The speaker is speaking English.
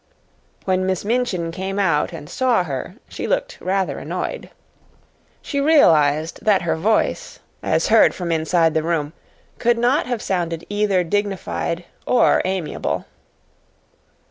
When Miss Minchin came out and saw her, she looked rather annoyed. She realized that her voice, as heard from inside the room, could not have sounded either dignified or amiable.